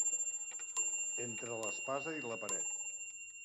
Entre l'espasa i la paret.